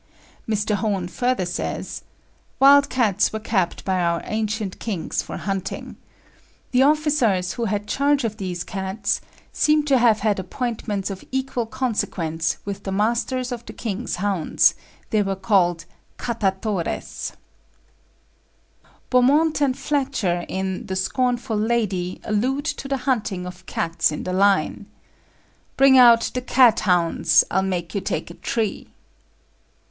Mr. Hone further says: "Wild cats were kept by our ancient kings for hunting. The officers who had charge of these cats seem to have had appointments of equal consequence with the masters of the king's hounds; they were called Catatores." Beaumont and Fletcher in The Scornful Lady allude to the hunting of cats in the line, "Bring out the cat hounds, I'll make you take a tree."